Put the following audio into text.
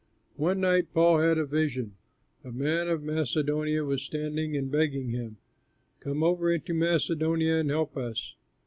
One night Paul had a vision: a man of Macedonia was standing and begging him, "Come over into Macedonia and help us."